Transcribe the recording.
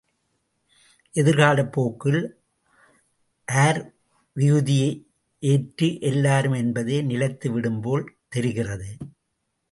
எதிர் காலப் போக்கில், ஆர் விகுதி ஏற்ற எல்லாரும் என்பதே நிலைத்து விடும்போல் தெரிகிறது.